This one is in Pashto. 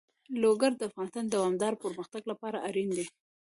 لوگر د افغانستان د دوامداره پرمختګ لپاره اړین دي.